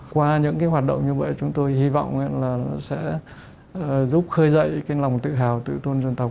qua những hoạt động như vậy chúng tôi hy vọng sẽ giúp khơi dậy lòng tự hào tự tôn dân tộc